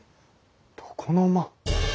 床の間。